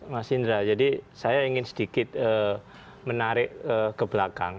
mas indra jadi saya ingin sedikit menarik ke belakang